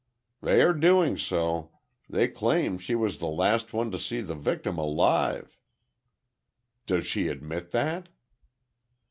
"They are doing so. They claim she was the last one to see the victim alive—" "Does she admit that?"